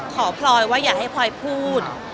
พลอยว่าอย่าให้พลอยพูด